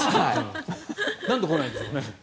なんで来ないんでしょうね。